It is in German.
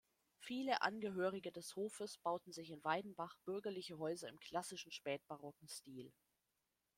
Viele Angehörige des Hofes bauten sich in Weidenbach bürgerliche Häuser im klassischen spätbarocken Stil.